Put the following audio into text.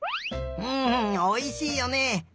んおいしいよね！